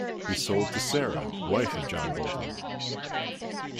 He sold to Sarah, wife of John Bolton.